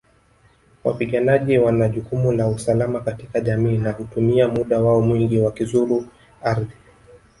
Wapiganaji wana jukumu la usalama katika jamii na hutumia muda wao mwingi wakizuru ardhi